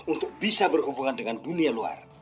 untuk bisa berhubungan dengan dunia luar